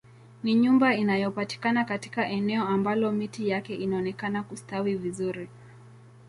Ni nyumba inayopatikana katika eneo ambalo miti yake inaonekana kustawi vizuri